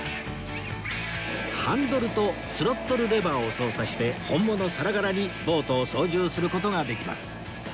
ハンドルとスロットルレバーを操作して本物さながらにボートを操縦する事ができます